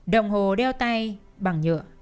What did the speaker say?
đồng hồ đeo tay bằng nhựa